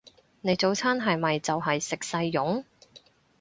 你早餐係咪就係食細蓉？